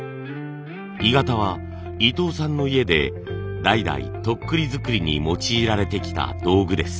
鋳型は伊藤さんの家で代々とっくりづくりに用いられてきた道具です。